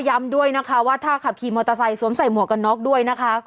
ย้ำด้วยนะคะว่าถ้าขับขี่มอเตอร์ไซค์สวมใส่หมวกกันน็อกด้วยนะคะ